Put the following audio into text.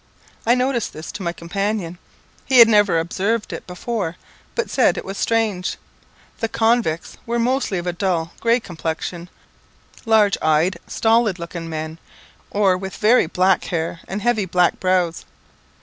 I noticed this to my companion. He had never observed it before, but said it was strange. The convicts were mostly of a dull grey complexion, large eyed, stolid looking men, or with very black hair, and heavy black brows.